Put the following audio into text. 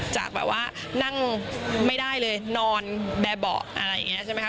จากแบบว่านั่งไม่ได้เลยนอนแบบเบาะอะไรอย่างนี้ใช่ไหมคะ